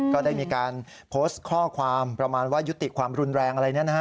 ก็ได้มีการโพสต์ข้อความประมาณว่ายุติความรุนแรงอะไร